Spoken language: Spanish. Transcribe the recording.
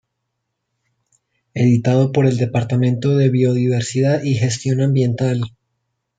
Editado por el departamento de Biodiversidad y Gestión Ambiental.